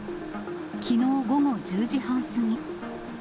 きのう午後１０時半過ぎ。